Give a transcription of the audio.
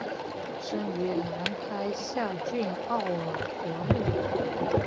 生于兰开夏郡奥尔德姆。